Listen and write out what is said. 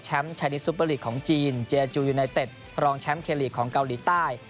ชายดิซุปเปอร์ลีกของจีนเจจูยูไนเต็ดรองแชมป์เคลีกของเกาหลีใต้